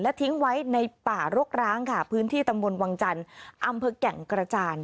ทิ้งไว้ในป่ารกร้างค่ะพื้นที่ตำบลวังจันทร์อำเภอแก่งกระจาน